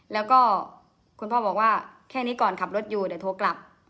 แล้วก็คุณพ่อบอกว่าแค่นี้ก่อนขับรถอยู่เดี๋ยวโทรกลับ